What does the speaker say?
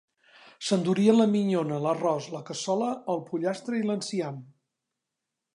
S'endurien la minyona, l'arròs, la cassola, el pollastre i l'enciam